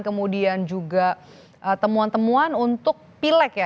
kemudian juga temuan temuan untuk pilek ya